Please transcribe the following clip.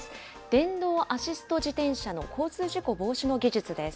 電動アシスト自転車の交通事故防止の技術です。